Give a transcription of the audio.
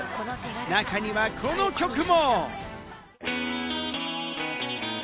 中にはこの曲も。